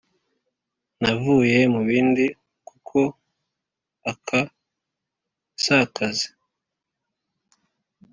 navuye mubindi kuko aka sakazi.